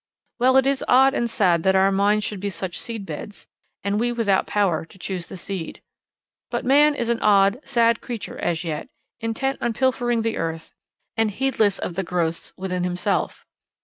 Well, it is odd and sad that our minds should be such seed beds, and we without power to choose the seed. But man is an odd, sad creature as yet, intent on pilfering the earth, and heedless of the growths within himself.